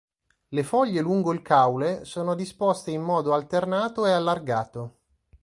Le foglie lungo il caule sono disposte in modo alternato e allargato.